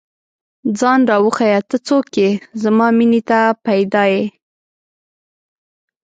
ځان راوښیه، ته څوک ئې؟ زما مینې ته پيدا ې